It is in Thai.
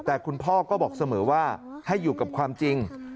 แต่คุณพ่อก็บอกเสมอว่าให้อยู่กับความจริง